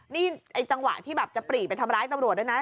นี่จังหวะที่อะไรก็จะปลี่ไปทำร้ายตำรวจด้วยนะ